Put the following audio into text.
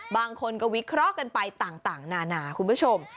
บางคนก็วิเคราะห์กันไปต่างนานาคุณผู้ชม